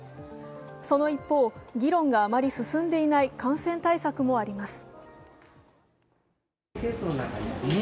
その一方、議論があまり進んでいない感染対策もあります。